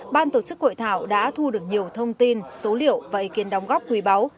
ban tổ chức hội thảo đã thu được nhiều thông tin số liệu và ý kiến đóng góp quý báu